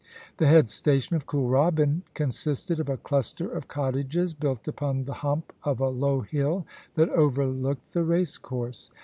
The head station of Kooralbyn consisted of a cluster of cottages built upon the hump of a low hill that overlooked the racecourse.